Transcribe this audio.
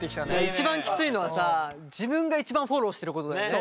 一番きついのはさ自分が一番フォローしてることだよね。